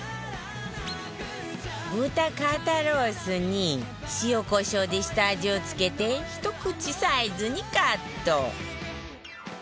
豚肩ロースに塩コショウで下味を付けてひと口サイズにカット